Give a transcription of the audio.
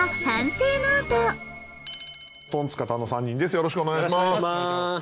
よろしくお願いします。